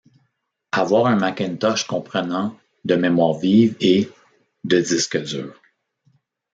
Avoir un Macintosh comprenant de mémorie vive et de disque dur.